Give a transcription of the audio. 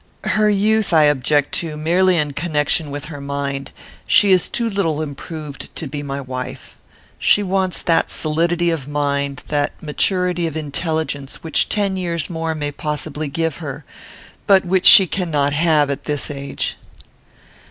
"Her youth I object to, merely in connection with her mind. She is too little improved to be my wife. She wants that solidity of mind, that maturity of intelligence which ten years more may possibly give her, but which she cannot have at this age."